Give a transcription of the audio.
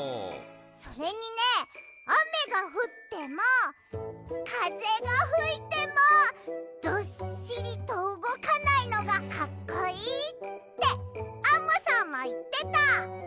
それにねあめがふってもかぜがふいてもどっしりとうごかないのがかっこいいってアンモさんもいってた。